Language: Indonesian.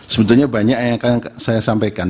sebetulnya banyak yang akan saya sampaikan